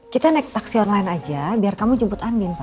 kita naik taksi online aja biar kamu jemput amin